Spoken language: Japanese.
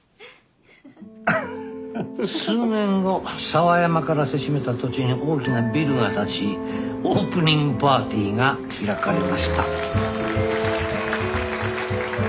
数年後沢山からせしめた土地に大きなビルが建ちオープニングパーティーが開かれました。